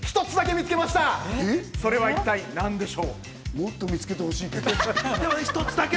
もっと見つけてほしいけど。